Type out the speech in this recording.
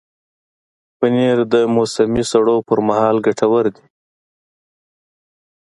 پنېر د موسمي سړو پر مهال ګټور دی.